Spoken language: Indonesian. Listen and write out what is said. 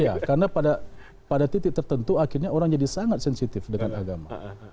iya karena pada titik tertentu akhirnya orang jadi sangat sensitif dengan agama